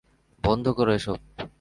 বন্ধ কর এসব।